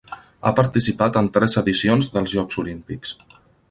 Ha participat en tres edicions dels Jocs Olímpics.